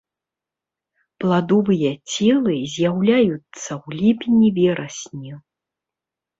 Пладовыя целы з'яўляюцца ў ліпені-верасні.